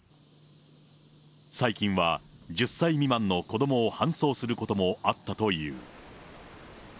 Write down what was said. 最近は、１０歳未満の子どもを搬送することもあったという。